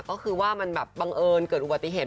ก็คือว่ามันแบบบังเอิญเกิดอุบัติเหตุ